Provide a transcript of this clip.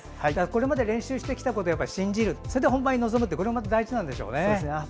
これまで練習してきたことを信じて本番に臨むことも大事なんでしょうね。